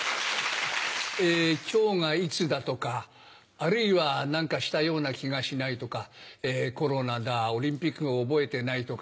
今日がいつだとかあるいは何かしたような気がしないとかコロナだオリンピックを覚えてないとか。